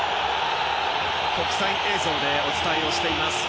国際映像でお伝えをしています。